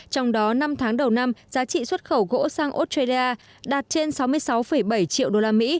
trong đó năm tháng đầu năm giá trị xuất khẩu gỗ sang australia đạt trên sáu mươi sáu bảy triệu usd